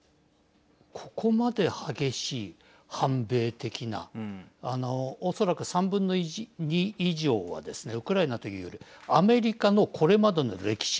ここまで激しい反米的なおそらく３分の１２以上はですねウクライナというアメリカのこれまでの歴史。